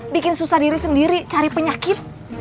bikin susah diri sendiri cari penyakit